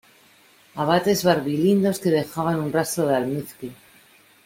abates barbilindos que dejaban un rastro de almizcle